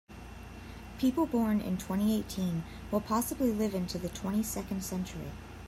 People born in twenty-eighteen will possibly live into the twenty-second century.